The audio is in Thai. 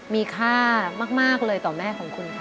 มีค่ามากเลยต่อแม่ของคุณค่ะ